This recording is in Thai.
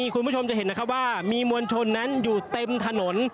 คุณผู้ชมจะเห็นนะครับว่ามีมวลชนนั้นอยู่เต็มถนน